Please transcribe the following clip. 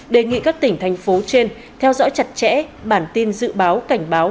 đề nghị các tỉnh thành phố trên theo dõi chặt chẽ bản tin dự báo cảnh báo